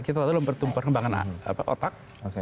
kita tahu dalam pertumbuhan perkembangan otak